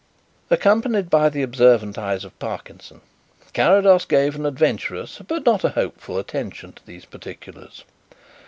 Accompanied by the observant eyes of Parkinson, Carrados gave an adventurous but not a hopeful attention to these particulars.